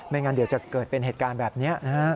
งั้นเดี๋ยวจะเกิดเป็นเหตุการณ์แบบนี้นะฮะ